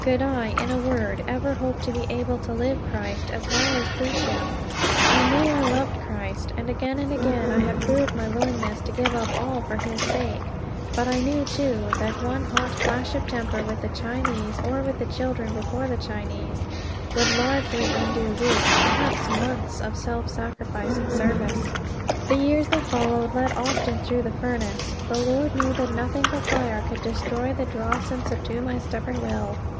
Could I, in a word, ever hope to be able to live Christ as well as preach him? I knew I loved Christ; and again and again I had proved my willingness to give up all for his sake. But I knew, too, that one hot flash of temper with the Chinese, or with the children before the Chinese, would largely undo weeks, perhaps months, of self sacrificing service. The years that followed led often through the furnace. The Lord knew that nothing but fire could destroy the dross and subdue my stubborn will.